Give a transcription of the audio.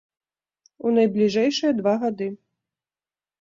У найбліжэйшыя два гады!